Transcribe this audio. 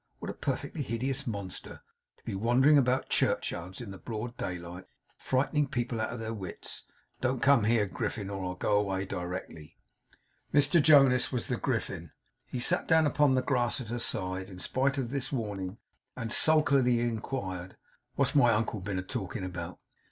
'What a perfectly hideous monster to be wandering about churchyards in the broad daylight, frightening people out of their wits! Don't come here, Griffin, or I'll go away directly.' Mr Jonas was the Griffin. He sat down upon the grass at her side, in spite of this warning, and sulkily inquired: 'What's my uncle been a talking about?